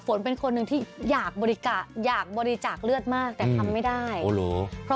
ฝนเป็นคนหนึ่งที่อยากบริจาคเลือดมากแต่ทำไม่ได้